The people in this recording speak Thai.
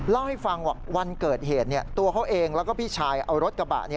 เล่าให้ฟังว่าวันเกิดเหตุตัวเขาเองแล้วก็พี่ชายเอารถกระบะ